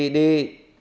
tôi đi về